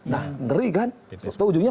nah ngeri kan atau ujungnya